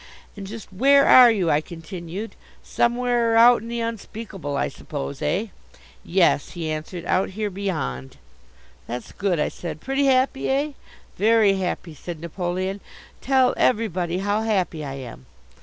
"And just where are you?" I continued. "Somewhere out in the Unspeakable, I suppose, eh?" "Yes," he answered, "out here beyond." "That's good," I said. "Pretty happy, eh?" "Very happy," said Napoleon. "Tell everybody how happy I am."